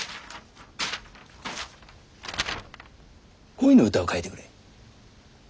恋の歌を書いてくれ。